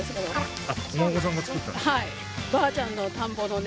「ばあちゃんの田んぼのね